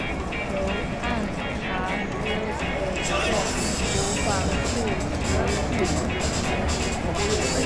由按察司委摄湖广蒲圻县知县。